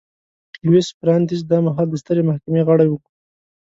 لویس براندیز دا مهال د سترې محکمې غړی و.